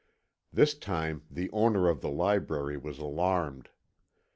This time the owner of the library was alarmed.